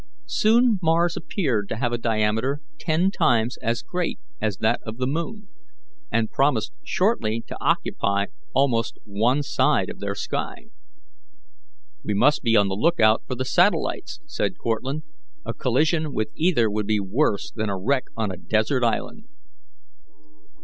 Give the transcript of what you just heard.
Soon Mars appeared to have a diameter ten times as great as that of the moon, and promised shortly to occupy almost one side of their sky. "We must be on the lookout for the satellites," said Cortlandt; "a collision with either would be worse than a wreck on a desert island."